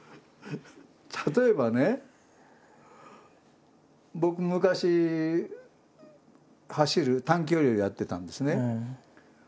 例えばね僕昔走る短距離をやってたんですね。